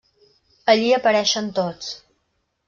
Allí apareixen tots.